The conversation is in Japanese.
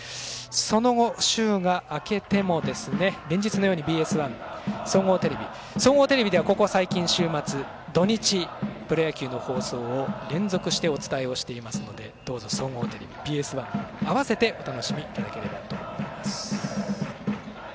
その後、週が明けても連日のようにＢＳ１、総合テレビ総合テレビではここ最近週末、土日プロ野球の放送を連続してお伝えしていますのでどうぞ、総合テレビとＢＳ１併せてご覧いただければと思います。